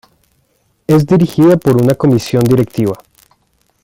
Es dirigida por una Comisión Directiva.